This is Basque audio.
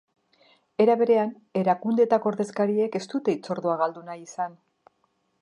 Era berean, erakundeetako ordezkariek ez dute hitzordua galdu nahi izan.